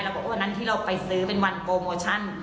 เราก็บอกว่านั้นที่เราไปซื้อเป็นวันโกโมชั่น